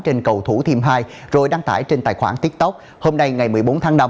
trên cầu thủ thiêm hai rồi đăng tải trên tài khoản tiktok hôm nay ngày một mươi bốn tháng năm